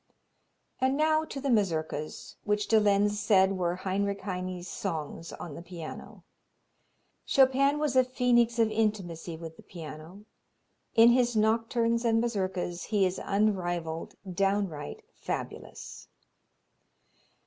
And now to the Mazurkas, which de Lenz said were Heinrich Heine's songs on the piano. "Chopin was a phoenix of intimacy with the piano. In his nocturnes and mazurkas he is unrivalled, downright fabulous."